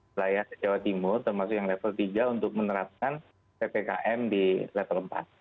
wilayah jawa timur termasuk yang level tiga untuk menerapkan ppkm di level empat